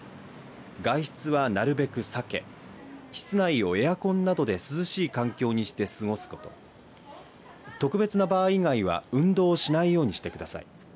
外出は、なるべく避け室内をエアコンなどで涼しい環境にして過ごすこと、特別な場合以外は運動をしないようにしてください。